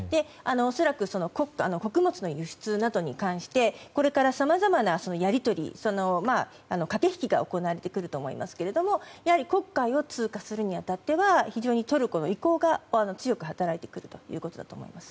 恐らく穀物の輸出などに関してこれから、さまざまなやり取りや駆け引きが行われると思いますがやはり黒海を通過するに当たっては非常にトルコの意向が強く働いてくるということだと思います。